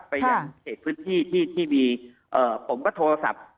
ไปยังเขตพื้นที่ที่มีผมก็โทรศัพท์